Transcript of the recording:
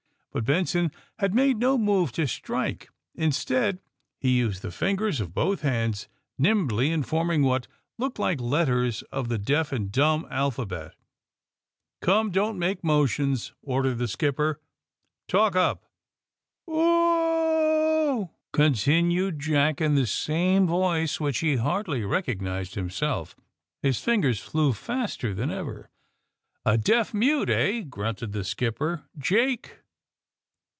" But Benson had made no move to strike. In stead he used the fingers of both hands nimbly in forming what looked like letters of the deaf and dumb alphabet. "Come, don't make motions!'' ordered the skipper. T alk up !" AND THE SMUGGLEES 65 *'Oo oo oo oo!^^ continned Jack, in the same voice, which he hardly recognized himself. His fingers flew faster than ever. *^A deaf mute, eh I" grunted the skipper. *^Jake!''